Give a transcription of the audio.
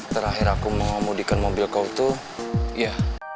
terakhir aku mau ngomodikan mobil kau tuh iya